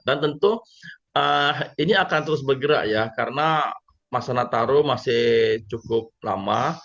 dan tentu ini akan terus bergerak ya karena masa natal masih cukup lama